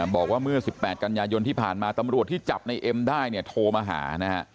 บอกว่าเมื่อสิบแปดกัญญายนที่ผ่านมาตำรวจที่จับในเอ็มได้โทรมาหา